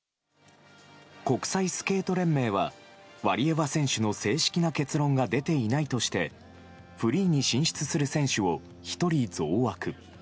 国際スケート連盟はワリエワ選手の正式な結論が出ていないとしてフリーに進出する選手を１人、増枠。